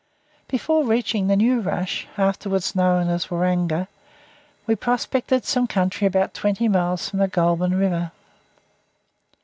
Before reaching the new rush, afterwards known as Waranga, we prospected some country about twenty miles from the Goulburn river.